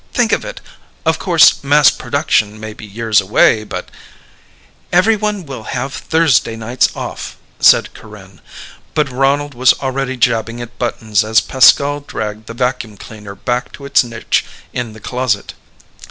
Think of it! Of course mass production may be years away, but ..." "Everyone will have Thursday nights off," said Corinne but Ronald was already jabbing at buttons as Pascal dragged the vacuum cleaner back to its niche in the closet.